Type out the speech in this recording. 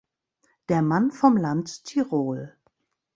Der Mann vom Land Tirol.